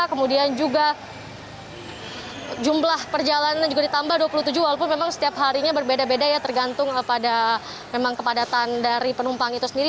kemudian juga jumlah perjalanan juga ditambah dua puluh tujuh walaupun memang setiap harinya berbeda beda ya tergantung pada memang kepadatan dari penumpang itu sendiri